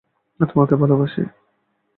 তোমাকে ভালোবাসি।